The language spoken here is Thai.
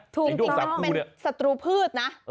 จริงเป็นศัตรูพืชนะ